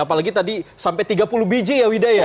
apalagi tadi sampai tiga puluh biji ya wida ya